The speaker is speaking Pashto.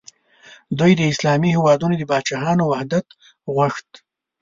دوی د اسلامي هیوادونو د پاچاهانو وحدت غوښت.